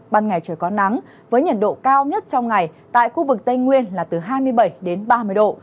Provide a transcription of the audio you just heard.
ban ngày trời có nắng với nhiệt độ cao nhất trong ngày tại khu vực tây nguyên là từ hai mươi bảy đến ba mươi độ